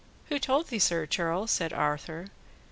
Who told thee so, churl? said Arthur.